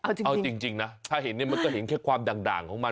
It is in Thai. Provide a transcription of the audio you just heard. เอาจริงเอาจริงนะถ้าเห็นเนี่ยมันก็เห็นแค่ความด่างของมัน